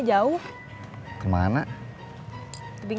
gak usah banyak ngomong